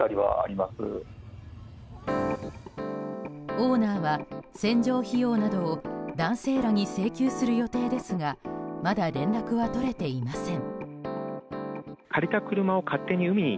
オーナーは洗浄費用などを男性らに請求する予定ですがまだ連絡は取れていません。